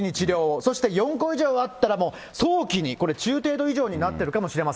そして４個以上あったら、早期に、これ、中程度以上に鳴ってるかもしれません。